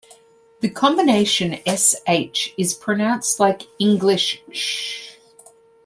The combination sh is pronounced like English "sh".